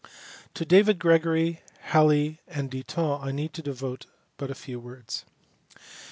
To David Gregory, Halley, and Ditton I need devote but few words.